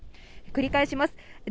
繰り返します。